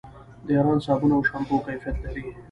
د ایران صابون او شامپو کیفیت لري.